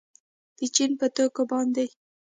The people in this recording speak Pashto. د چین په توکو باندې